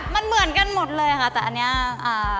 มันเหมือนกันหมดเลยค่ะแต่อันเนี้ยอ่า